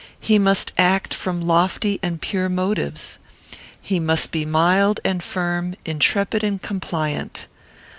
He must act from lofty and pure motives. He must be mild and firm, intrepid and compliant.